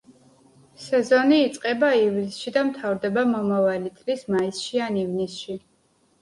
სეზონი იწყება ივლისში და მთავრდება მომავალი წლის მაისში, ან ივნისში.